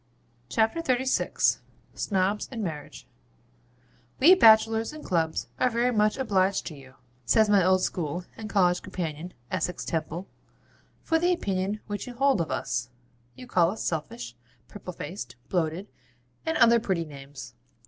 CHAPTER XXXVI SNOBS AND MARRIAGE 'We Bachelors in Clubs are very much obliged to you,' says my old school and college companion, Essex Temple, 'for the opinion which you hold of us. You call us selfish, purple faced, bloated, and other pretty names.